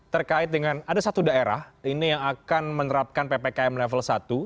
terkait dengan ada satu daerah ini yang akan menerapkan ppkm level satu